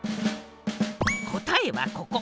答えはここ！